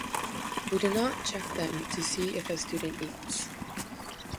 We do not check them to see if a student eats.